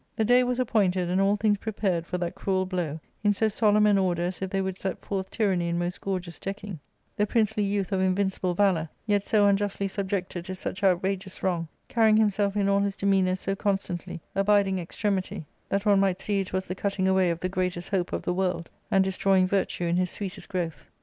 The day was appointed, and all things prepared for that cruel blow, in so solemn an order as if they would set forth tyranny in most gorgeous decking ; the princely youth of invincible valour, yet so unjustly sub jected to such outrageous wrong, carrying himself in all his demeanour so constantly, abiding extremity, that one might see it was the cutting away of the greatest hope of the world, and destroying virtue in his sweetest growth.